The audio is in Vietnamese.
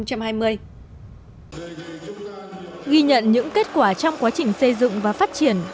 ghi nhận những kết quả trong quá trình xây dựng và phát triển